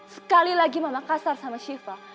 sekali lagi mama kasar sama shiva